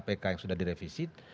kepada kpk yang sudah direvisit